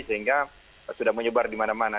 sehingga sudah menyebar dimana mana